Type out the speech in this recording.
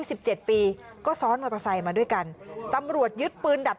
สิบเจ็ดปีก็ซ้อนมอเตอร์ไซค์มาด้วยกันตำรวจยึดปืนดัด